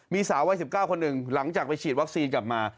มีสาววัย๑๙คนหนึ่งหลังจากไปฉีดวัคซีนกลับมา